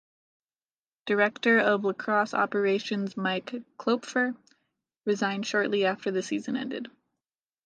Director of Lacrosse Operations Mike Kloepfer resigned shortly after the season ended.